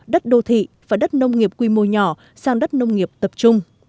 đất đô thị và đất nông nghiệp quy mô nhỏ sang đất nông nghiệp tập trung